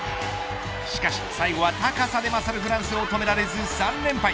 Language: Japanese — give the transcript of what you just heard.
しかし最後は高さでまさるフランスを止められず３連敗。